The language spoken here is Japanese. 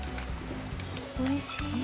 おいしい。